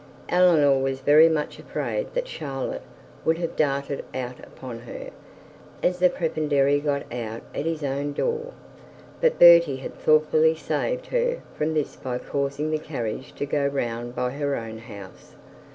Eleanor was very much afraid that Charlotte would have darted out upon her, as the prebendary got out at his own door, but Bertie thoughtfully saved her from this, by causing the carriage to go round by her house.